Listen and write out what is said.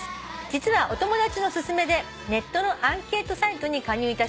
「実はお友達の勧めでネットのアンケートサイトに加入いたしました」